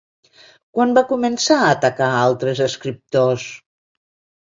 Quan va començar a atacar a altres escriptors?